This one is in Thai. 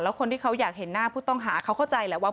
แล้วคนที่เขาอยากเห็นหน้าผู้ต้องหาเขาเข้าใจแหละว่า